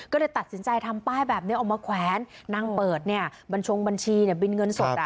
ก็เลยตัดสินใจทำป้ายแบบนี้ออกมาแขวนนั่งเปิดเนี่ยบัญชงบัญชีเนี่ยบินเงินสดอ่ะ